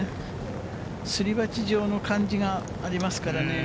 すり鉢状の感じがありますからね。